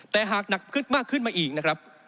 แต่หากหนักขึ้นมากขึ้นมาอีกนะครับ